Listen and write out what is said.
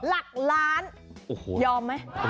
หลักล้านยอมไหม